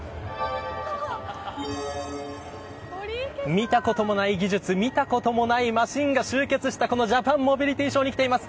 見たこともない技術に見たこともないマシーンが集結したジャパンモビリティショーに来ています。